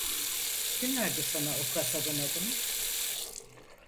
Kim verdi sana o kasabın adını.